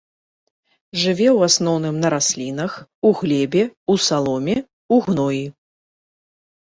Жыве ў асноўным на раслінах, у глебе, у саломе, у гноі.